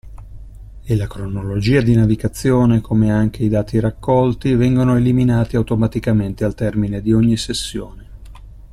E la cronologia di navigazione, come anche i dati raccolti, vengono eliminati automaticamente al termine di ogni sessione.